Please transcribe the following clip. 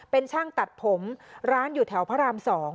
เป็นช่างตัดผมร้านอยู่แถวพระราม๒